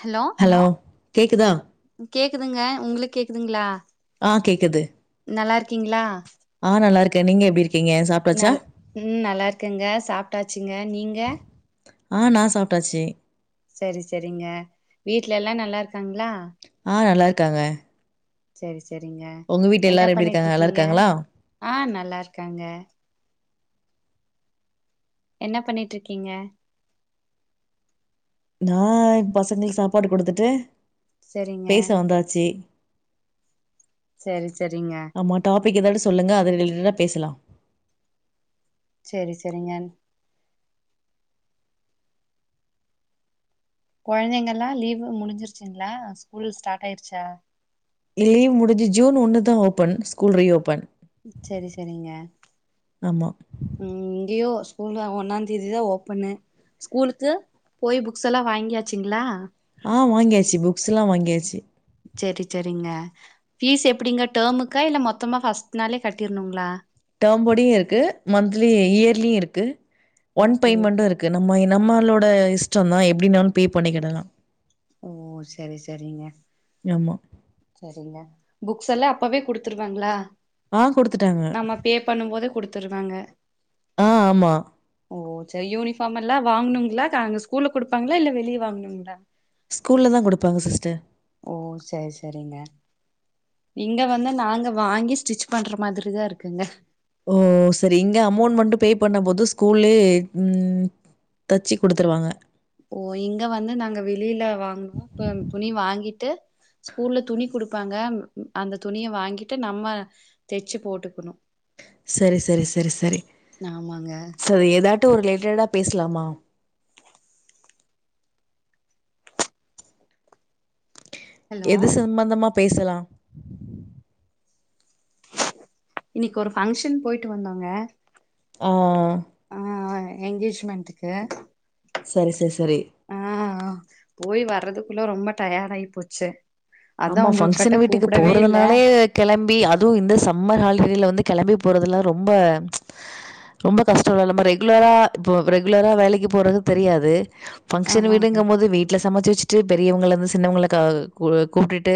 Hello கேக்குதா கேக்குதுங்க உங்களுக்கு கேக்குதுங்களா ஆ கேக்குது நல்லா இருக்கீங்களா ஆ நல்லா நீங்க எப்படி ந உம் நல்லா இருக்கங்க சாப்பிட்டாச்சுங்க நீங்க ஆஹ் நா சாப்பிட்டாச்சு சரி சரிங்க வீட்டு்ல எல்லா நல்லா இருக்காங்களா ஆ நல்லா இருக்காங்க சரி சரி சரிங்க உங்க வீட்ல என்ன எல்லாரும் எப்டி பண்ணிட்டு இருக்காங்க நல்லா இருக்கீங்க இருக்காங்களா ஆஹ் நல்லா இருக்காங்க என்ன பண்ணிட்டு இருக்கீங்க நா பசங்களுக்கு சாப்பாடு குடுத்துட்டு சரிங்க பேச வந்தாச்சு சரி சரிங்க ஆமா டாபிக் ஏதாவது சொல்லுங்க அத ரிலேட்டடா பேசலாம் சரி சரிங்க குழந்தைங்கல்லாம் லீவு முடிஞ்சிருச்சுங்களா ஸ்கூல் ஸ்டார்ட் ஆயிருச்சா லீவ் முடிஞ்சு ஜூன் ஒண்ணு தா ஓபன் ஸ்கூல் ரீஓபன் சரி சரிங்க ஆமா உம் இங்கேயோ ஸ்கூல் ஒன்னாந்தேதி தா ஓப்பன்னு ஸ்கூலுக்கு போய் புக்ஸ் எல்லாம் வாங்கியாச்சுங்களா ஆஹ் வாங்கியாச்சு புக்ஸ் எல்லாம் வாங்கியாச்சு சரி சரிங்க பீஸ் எப்படிங்க டேமுக்கா இல்ல மொத்தமா ஃபர்ஸ்ட் நாளே கட்டிருணுங்களா டெர்ம்போடியும் இருக்கு மந்த்த்லி இயர்லியு இருக்கு ஒன் ஓ பேமெண்டும் இருக்கு என்னா மை நம்மளோட இஷ்டம் தா எப்படின்னாலும் பே பண்ணிக்கிடலாம் ஓ சரி சரிங்க ஆமா சரிங்க புக்ஸ் எல்லாம் அப்பவே குடுத்துருவாங்களா ஆஹ் குடுத்துட்டாங்க தருவாங்க ஆ, ஆமா. ஓ செரி யூனிஃபார்ம்மெல்லா வாங்கணுங்களா அங்க ஸ்கூல்ல குடுப்பாங்களா இல்ல வெளிய வாங்கணுங்களா ஸ்கூல்லல தான் கொடுப்பாங்க சிஸ்டர் ஓ செரி செரிங்க நீங்க வந்து நாங்க வாங்கி ஸ்டிச் பண்ற மாதிரி தான் இருக்குங்க ஓ செரி இங்க அமௌண்ட் மட்டும் பே பண்ணபோது ஸ்கூல்லயே ம் தச்சு குடுத்துருவாங்க ஓ இங்க வந்து நாங்க வெளியில வாங்கனோம் இப்ப துணி வாங்கிட்டு ஸ்கூல்ல துணி குடுப்பாங்க அந்த துணிய வாங்கிட்டு நம்ம தச்சு போட்டுக்கணும் சரி சரி சரி சரி ஆமாங்க சரி ஏதாட்டு ஒரு லெ [unintelligible] பேசலாமா ஹலோ எது சம்பந்தமா பேசலாம் இன்னைக்கு ஒரு பஃங்க்ஷன் போயிட்டு வந்தோங்க ஆஹ் எங்கேஜ்மென்டுக்கு சரி சரி சரி போய் வரறதுக்குள்ள ரொம்ப டயர்ட் ஆயி போச்சு அதா ஆமா உங்ககிட்ட பங்க்ஷன் வீட்டுக்கு கூப்பிடவே இல்ல போறதுனாலே கெளம்பி அதுவும் இந்த சம்மர் ஹால [unintelligible] வந்து கெளம்பி போகறதுலாம் ரொம்ப ரொம்ப கஷ்டம் நம்ம ரெகுலரா இப்போ ரெகுலரா வேலைக்கு போறது தெரியாது பங்க்ஷன் ஆமாங்க வீடுங்க போது வீட்ல சமைச்சு வெச் பெரியவங்களந்து சின்னவங்கள கூப்டுட்டு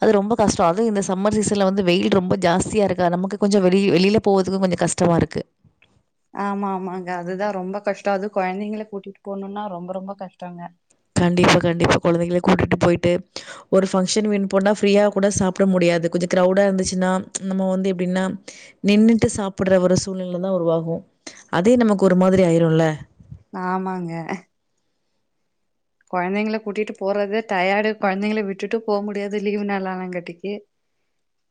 அது ரொம்ப கஷ்டம் அதுவும் இந்த சம்மர் சீசன்ல வந்து வெயில் ரொம்ப ஜாஸ்தியாக இருக்கா நமக்கு கொஞ்சம் வெளி வெளியில போவதுக்கு கொஞ்சம் கஷ்டமா இருக்கு ஆமா ஆமாங்க அதுதான் ரொம்ப கஷ்டம் அது கொழந்தைங்க கூட்டிட்டு போகணும்னா ரொம்ப ரொம்ப கஷ்டங்க கண்டிப்பா கண்டிப்பா கொழந்தைகளை கூட்டுட்டு போயிட்டு ஒரு ஃபங்க்ஷன் வீண் போனா ஃப்ரீயா கூட சாப்பிட முடியாது கொஞ்சம் கிரௌடா இருந்துச்சுன்னா நம்ம வந்து எப்படின்னா நின்னுட்டு சாப்பிடுற ஒரு சூழ்நிலை தான் உருவாகும் அதே நமக்கு ஒரு மாதிரி ஆயிரும்ல ஆமாங்க கொழந்தைங்க கூட்டிட்டு போறத டயர்டு கொழந்தைங்கள விட்டுட்டு போவ முடியாது லீவு நாள்ளானங்காட்டிக்கு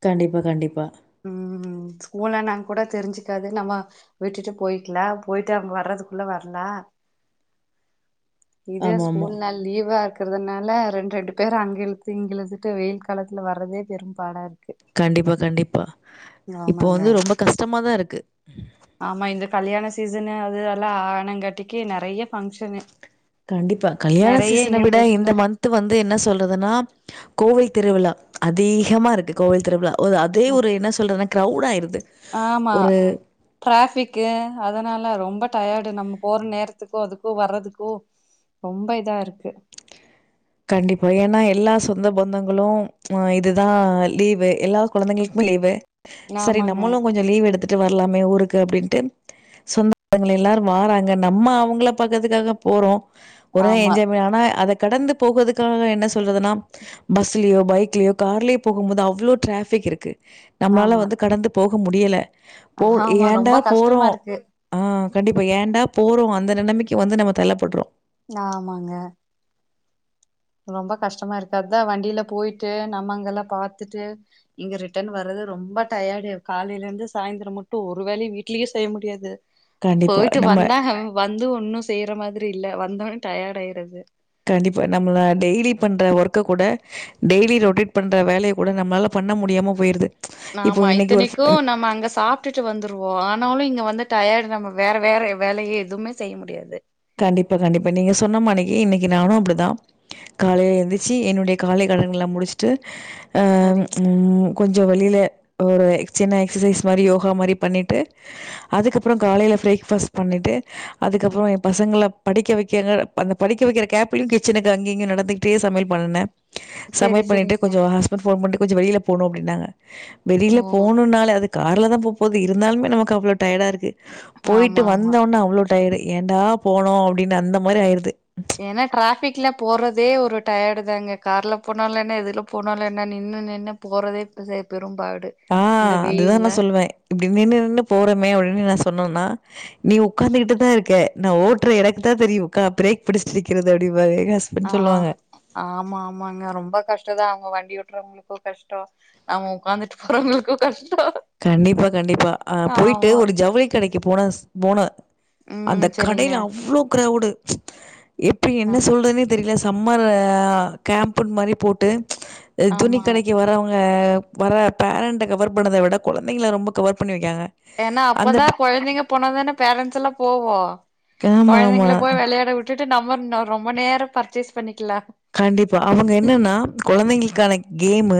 கண்டிப்பா கண்டிப்பா உம் ஸ்கூல்ல நா கூட தெரிஞ்சுக்காது நம்ம விட்டுட்டு போய்க்கலாம் போயிட்டு அவங்க வர்றதுக்குள்ள வரலாம். இது ஆமாமா. ஸ்கூல்னால் லீவா இருக்கு இருக்கிறதுனால ரெண்டு ரெண்டு பேர் அங்கழுத்து இங்க இழுத்துட்டு வெயில் காலத்துல வர்றதே பெரும்பாடா இருக்கு கண்டிப்பா கண்டிப்பா இப்போ ஆமாங்க வந்து ரொம்ப கஷ்டமாதான் இருக்கு அதுல்லாம் ஆனங்காட்டிக்கு நெறைய பங்க்ஷன்னு கண்டிப்பா கல்யாண சீசனை விட இந்த மந்த்து வந்து என்ன சொல்றதுன்னா கோவை திருவிழா அதிகமா இருக்கு கோவில் திருவிழா ஓ அதே ஒரு என்ன சொல்றனா க்ரௌட் ஆயிருது ஆமா ஒரு ட்ராஃபிக்கு அதனால ரொம் ம்ப டயர்டு நம்ம போற நேரத்துக்கு அதுக்கு வர்றதுக்கு ரொம்ப இதா இருக்கு கண்டிப்பா ஏனா எல்லா சொந்த பந்தங்களு அஹ் இதுதா லீவு எல்லா கொழந்தைங்களுக்குமே லீவு செரி ஆமாங்க நம்மளு கொஞ்ச லீவ் எடுத்து வரலாமே ஊருக்கு அப்படின்ட்டு சொந்த பந்தங்களெல்லாம் வாறாங்க நம்ம அவங்கள பாக்கத்துக்காக போறோம் ஒரே ஆமா என்ஜாய்மெ ஆனா அத கடந்து போகுறதுக்காக என்ன சொல்றதுனா பஸ்லயோ பைக்லயோ கார்லே போகும் போது அவ்ளோ ட்ராஃபிக் இருக்கு நம்மளால ஆமா வந்து கடந்துப் போக முடியல போ ஆமா ரொம்ப ஏன்டா போறோ கஷ்டமா இருக்கு ஆஹ் கண்டிப்பா ஏன்டா போறோ அந்த நெலமைக்கு வந்து நம்ம தள்ளப்பட்றோ ஆமாங்க ரொம்ப கஷ்டமா இருக்கு அதா வண்டில போயிட்டு நண்ணங்கெல்லா பாத்துட்டு இங்க ரிட்டன் வர்றது ரொம்ப டயர்டு காலைல இருந்து சாய்ந்தர மட்டு ஒரு வேலையு வீட்லயே செய்ய முடியாது கண்டிப்பா. போயிட்டு நம்ம வந்தாக வந்து ஒன்னு செய்ற மாதிரி இல்ல வந்தோனே டயாடாயிறுது கண்டிப்பா நம்மலா டெய்லி பண்ற ஒர்க்க கூட டெய்லி ரொட்டேட் பண்ற வேலைய கூட நம்மளால பண்ண முடியாம போயிருது இப்போ ஆமா இன்னைக்கு ஒரு இத்தனைக்கு ஃப் நம்ம அங்க சாப்ட்டுட்டு வந்துருவோ ஆனாலு இங்க வந்து டயர்டு நம்ம வேற வேற வேலையே எதுமே செய்ய முடியாது கண்டிப்பா கண்டிப்பா நீங்க சொன்ன மானைக்கு இன்னைக்கு நானு அப்டிதா காலைல எந்திர்ச்சு என்னுடைய காலை கடன்லா முடிச்ட்டு ஆஹ் சரிங் உம் கொஞ்சோ வெல் இல்ல ஒரு சின்ன எக்சசைஸ் மாரி யோகா மாரி பண்ணிட்டு அதுக்கு அப்ற காலைல ஃப்ரேக்பஸ்ட் பண்ணிட்டு அதுக்கப்ற எப் பசங்கள படிக்க வைக்கிறங்க அந்த படிக்க வைக்கிற கேப்லையு கிச்சனுக்கு அங்கெ இங்கெ நடந்துக்கிட்டே சமையல் பண்ணுனே செரி சமையல் பண்ணிட்டு செரிங்க கொஞ்சம் ஹஸ்பண்ட் போன் பண்ட்டு கொஞ்சம் வெயில்ல போனும் அப்பிடின்னாங்க வெளில ஓ போனுனால அதுக் கார்ல தா போப்போது இருந்தாலுமே நமக்கு அவ்ளோ டயர்டா இருக்கு போயிட்டு ஆமா ஆமா வந்தோன்னா அவ்ளோ டைடு ஏன்டா போனோம் அப்படின்னு அந்த மாரி ஆயிருது ஏன்னா டிராஃபிக்ல போறதே ஒரு டயர்டு தாங்க கார்ல போனாலும் என்ன எதுல போனாலும் என்ன நின்னு நின்னு போறதே பெரும்பாடு இந்த ஆஹ் அதுதா வெயில்ல நா சொல்லுவே இப்டி நின்னு நின்னு போறமே அப்டின்னு நா சொ இப்ப என்னனா நீ உக்காந்துக்கிட்டு தா இருக்க நா ஓட்ற எனக்கு தா தெரியு உக்கா பிரேக் பிடிச்சிட்டு இருக்கிறது அப்டின் ஆஹ் ஆமா ஆமாங்க ரொம்ப கஷ்ட தா அவ்ங்க வண் வண்டி ஓட்டுறவுங்குளுக்கு கஷ்டோம் நம்ம உக்காந்துட்டு போறவுங்குளுக்கும் கஷ்டம் கண்டிப்பா கண்டிப்பா ஆ போயிட்டு ஆமா ஒரு ஜவுளிக் கடைக் கி போனஸ் போன அந்த ம் சரிங்க கடைல அவ்வுளோ க்ரௌவுடு எப்ரி ஆ என்ன சொல்றத்னே தெரிய்லஸ் தம்மரே கேம்ப்புன் மரிப் போட்டு துணி ஆமா கடைக்கு வரவ்ங் வர பேரண்ட கவர் பண்ணத விட கொலந்தைங்ள ரொம்ப கவர் பின்னி வெக்கியாங்க ஏன்னா அப்பதா கொழந்தைங்க போனதான பேரன்ஸ் எல்லா போவோ கே மாமா டுடு நம்மர் நோ ரொம்ப நேர பர்ச்சேஸ் பண்ணிக்கிலா கண்டிபா அவுங்க என்னனா கொலந்தைங்ளுக்கான கேமு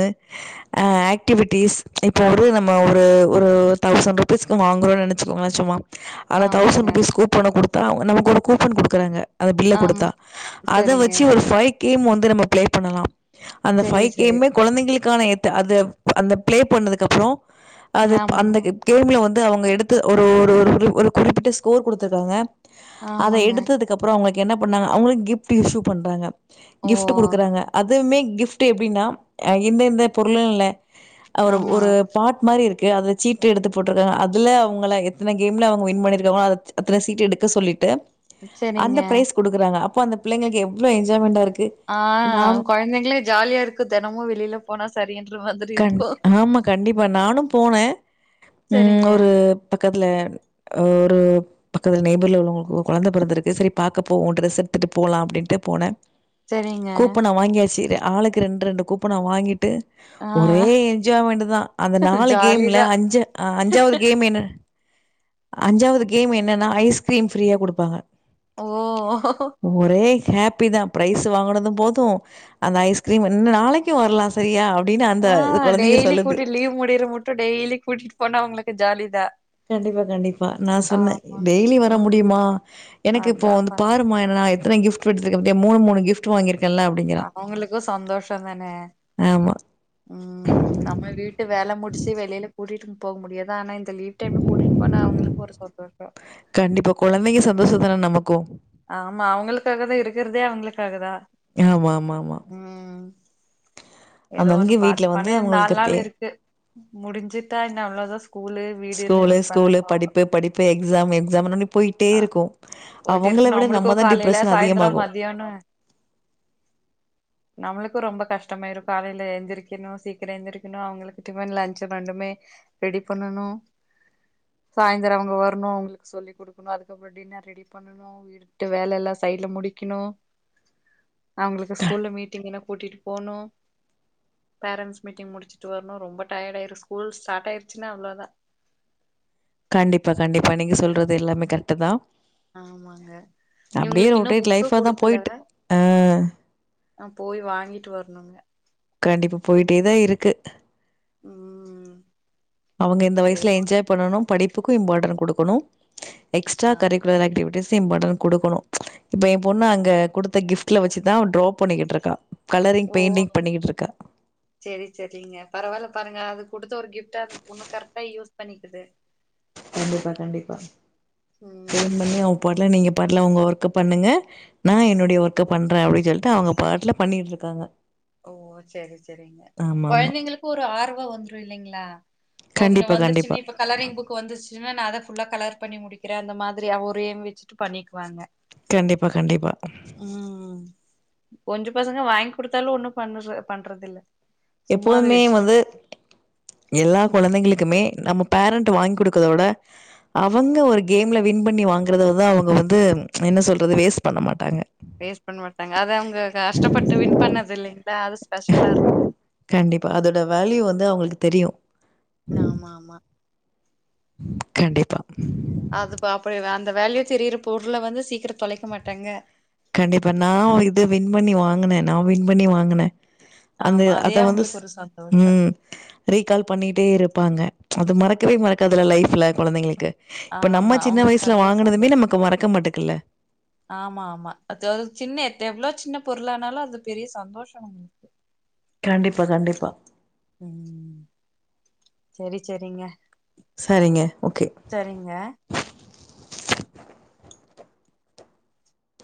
ஆக்டிவிட்டிஸ் இப்ப ஒரு நம்ம ஒரு ஒரு தௌசண் ருபீஸ்க்கு வாங்குறோ நெனச்சுகோங்ளே சும்மா அனா ஆமாங்க தௌசண் பிஸ் கூப்பனோ குடுத் தாவ் நமக் ஒரு கூப்பன் குடுக்குறாங்க அத பில்ல ஆமா குடுத்தா அத சரிங்க வச்சு ஒரு ஃபை கேம் வந்து நம்ம ப்ளே பண்ணலா அந்த ஃபை சரி சரி கேம்மே கொலந்தைங்ளுக்கான எத் அத அந்த ப்ளே பண்ணதுக் அப்றோ அதுப் ஆமாங்க அந்த கேம்ல வந் அவுங்க எடுத்து ஒரு ஒரு ஒரு ஒரு ஒரு குறிப்பிட்ட ஸ்கோர் குடுத்துர்க்காங்க அத ஆமாங்க எடுத்ததுக் அப்றொ அவுங்ள கென்ன பண்ணாங்க அவுங்ளு கிஃட்டு இஷு பண்றாங்க ஓ கிஃப்ட்டு குடுக்குறாங்க அத் துமே கிஃப்ட்டு எப்டினா இந்த இந்த பொருளு இல்ல அவரு ஆமா ஒரு பாட் மரி இருக் கு அதுல சீட்டு எடுத்து போட்டுருக்காங்க அதுல அவுங்கள எத்துன கேம்ல அவுங்க வின் பண்ணிருக்காங்ளோ அத் அத்துல சீட் எடுக்க சொல்லிட்டு செரிங்க அந்த ப்ரைஸ் குடுக்குறாங்க அப் போ அந்த பிள்ளைங்ளுக் எவ்ளோ எஜ் ஜேமெண்டா இருக் ஆ நானு கொழந்தைங்களே ஜாலியா இருக்கு தெனமு வெளில போனா சரின்ற மாதிரி கண் இருக்கு ஆம கண்டிப்பா நானு போனே ம் செரிங்க ஒரு பக்கத்ல ஒரு பக்கதுல் நெய்பர்ல உள்ளவுங்கு கொலந்த பெறந்துருக்கு செரி பாக்க போவோ ட்ரெஸ் எட்த்துட்டு போலா அப்டின்டு போன செரிங்க கூப்பன வாங்கியசீரே ஆளுக்கு ரெண் ரெண்டு கூப்பன வாங்கிட்டு ஆ ஒரே என்ஜாமெண்டு தா அந்த நாலு கேம்ல ஜாலிதா அஞ்ச அ அஞ்சாவுது கேம் என்ன அஞ்சாவ்து கேம் என்னன்னா ஐஸ்கிரீம் ஃப்ரீயா குடுப்பாங்க ஓ ஹாப்பிதா ப்ரைஸ் வாங்குனது போது அந்த ஐஸ்கிரீம் இன்னு நாளைக்கு வரலா சரியா அப் ஆ டெய்லி கூட்டி லீவ் முடியிற முட்டு டெய்லி கூட்டிட்டு போனா அவங்களு க்கு ஜாலிதா கண்டிப்பா கண்டிப்பா நா சொன்ன ஆமா டெய்லி வர ஆ முடியுமா எனக்கு இப்போ அதா வந்து பாருங்க பாருமா என்ன நா எத்தன கிஃப் ட் எடுத்துருக்க பாத்தியா மூணு மூணு கிஃப்ட் வாங்கிருக் அவுங்களுக்கு சந்தோஷந்தானே ஆமா. ம் நம்ம வீட்டு வேல முடிச்சி வெளில கூட்டிட்டு போக முடியாது ஆனா இந் த லீவ் டைம்ல கூட்டிட்டு போனா அவுங்ளுக் கு ஒரு சந்தோஷம் கண்டிப்பா கொழந்தெங்க சந்தோஷந்தானே நமக்கு ஆம்மா அவுங்களுக்காகதா இருக்கிறதே அவுங்களுக்காகதா ஆமா, ஆமா, ஆமா. ம் ஏதோ ஒன்னு அங்கங்க பாத்து வீட்ல வந்து பண்ணு நாலு அவங்களுக்கு தே நாள் இருக்கு முடிஞ்சிட்டா இன்னு அவ்ளோதா ஸ் ஸ்கூலு ஸ்கூலு படிப்பு படிப்பு எக்ஸாம் எக் ஸாமுனு ஆ போயிட்டேருக்கும் போயிட்டே அவுங்கள இருக்கு விட நம்மளுக்கு நம்மதா காலையில டிப்ரெஷன் சாயந்தரோ அதிகமாகும் மதியானோ நம்முளுக்கு ரொம்ப கஷ்டமாயிரும் காலேல எந்திரிக்குணு சீக்கிரோ எந்திரிக்குணு அவுங்களுக்கு டிபன் லன்ச் ரெண்டுமே ரெடி பண்ணணும் சாய்ந்தரம் அவங்க வர்ணும் அவங்களுக்கு சொல்லிக் குடுக் குணு அதுக்கப்பறம் டின்னர் ரெடி பண்ணணு வீட்டு வேலெல்லா சைட்ல முடிக்கிணு அவ்ங்களுக்கு ஸ்கூல்ல மீட்டிங்ன்னா கூட்டிட்டு போணு பேரண்ட்ஸ் மீட்டிங் முடிச்சிட்டு வர்ணும் ரொம்ப டயர்ட் ஆயிரும் ஸ்கூல் ஸ்டார்டாயிருச்சினா அவ்ளோதா கண்டிப்பா கண்டிப்பா நீங்க சொல்றது எல்லாமே கரெட்டு தா ஆமாங்க இவ்ங்ளுக்கு இன்னு ரொட்டேட் புக்ஸு லைஃபா தான் குடுக்கல போயிட்டு. ஆ. அ போய் வாங்கிட்டு வர்ணுங்க கண்டிப்பா போயிட்டேதா இருக்கு ம் அவங்க இந்த வயஸ்ல ஏதோ ஒண்ணு என்ஜாய் போய் பண்ணனும் படிப்பு கு இம்பார்டன்ட் குடுக்கணும் எக்ஸ்ட்ரா ஆமா கரிக்குலர் ஆக்டிவிட்டிஸ் ஸ் இம்பார்டன்ட் குடுக்கணு இப்ப என் பொண்ணு அங்க குடுத்த கிஃப்ட்ல வச்சுதா அவ ட்ராப் பண்ணிக்கிட்டு இருக்கா ஓ செரி செரிங்க பரவாயில்ல பாருங்க அதுக் குடுத்த ஒரு கிஃப்ட அந்த பொண்ணு கரெக்ட்டா யூஸ் பண்ணிக்குது கண்டிப்பா கண்டிப்பா ம் ஸ்டெயின் பண்ணி அவன் பொண்ண நீங்கப் பாட்டுல ஒங்க ஒர்க்கப் பண்ணுங்க நா என்னுடைய ஒர்க்கப் பண்றேன் அப்டின்னு சொல்லிட்டு அவுங்க பாட்டுல பண்ணிட்டு இருக்காங்க ஓ ச்செரி ச்செரிங்க ஆமாமா. கொழந்திங்கிளுக்கு ஒரு ஆர்வம் வந்துரு இல்லிங்களா ஒரனு கண்டிப்பா, கண்டிப்பா. வந்துருச்சுன்னு இப்ப கலரிங் புக்கு வந்துருச்சு நா அத ஃபுல்லா கலர் பண்ணி முடிக்ற அந்த மாதிரி ஒரு ஏம் வெச்சுட்டு பண்ணிக் ப்பாங்க கண்டிப்பா, கண்டிப்பா. ம் கொஞ்ச பசங்க வாங்கி குடுத்தாலு ஒண்ணு பண்ணுற பண்றதில்ல. சும்மா அத எப்போதுமே வச்சுட்டு வந்து எல்லா கொழந்தைங்களுக் குமே நம்ம பேரன்ட் வாங்கிகுடுக்கறத வுட அவங்க ஒரு கேம்ல வின் பண்ணி வாங்குறதுல தா அவங்க வந்து என்ன சொல்றது வேஸ்ட் பண்ண மாட்டாங்க வேஸ்ட் பண்ண மாட்டாங்க, அத அவுங்க கஷ்டபட்டு வின் பண்ணதில்லைங் கண்டிப்பா, அதோட வேல்யூ வந்து அவுங்களுக் தெரியு ஆமாமா கண்டிப்பா அதுப்ப அப்டி வ அந்த வேல்யூ தெரிற பொருள வந்து சீக்கிர தொலைக்க மாட்டாங்க கண்டிப்பா, நா இது வின் பண்ணி வாங்குன, நா வின் பண்ணி வாங்குன, அந்தே ஆமா. அதே அத வந்துஸ் அவங்களுக்கு ஒரு சந்தோஷம். ம் ரீகால் பண்ணீட்டே இருப்பாங்க அது மறக்கவே மறக்காதுல்ல லைஃப்ல கொழந்தைங்களுக்கு இப்ப ஆமா. நம்ம சின்ன அவங்களுக்கு வயசுல அதே வாங்குனதுமே சந்தோஷம். நமக்கு மறக்க மாட்டேக்குல்ல ஆமா, [unintelligible] சின்ன எர்த்தே எவ்ளோ சின்ன பொருளானாலு அது பெரிய சந்தோஷம் கண்டிப்பா கண்டிப்பா ம் செரி செரிங்க சரிங்க ஓகே